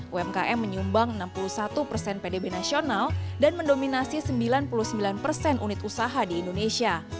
umkm menyumbang enam puluh satu persen pdb nasional dan mendominasi sembilan puluh sembilan persen unit usaha di indonesia